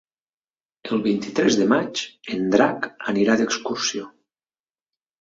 El vint-i-tres de maig en Drac anirà d'excursió.